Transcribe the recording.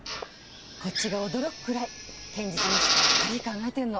こっちが驚くくらい堅実にしっかり考えてるの。